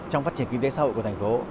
trong phát triển kinh tế xã hội của thành phố